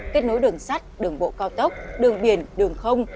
kết nối đường sắt đường bộ cao tốc đường biển đường không